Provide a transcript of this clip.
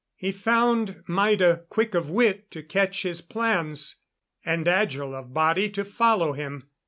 He found Maida quick of wit to catch his plans; and agile of body to follow him.